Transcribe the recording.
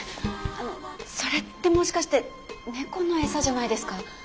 あのそれってもしかして猫の餌じゃないですか？